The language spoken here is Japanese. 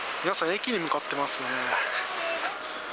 皆さん、駅に向かってますね。